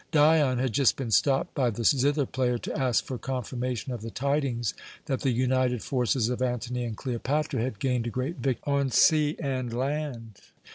Dion had just been stopped by the zither player to ask for confirmation of the tidings that the united forces of Antony and Cleopatra had gained a great victory on sea and land.